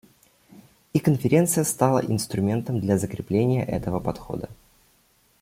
И Конференция стала инструментом для закрепления этого подхода.